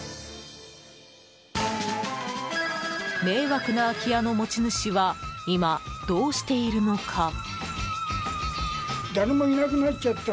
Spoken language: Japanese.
迷惑な空き家の持ち主は今、どうしているのか。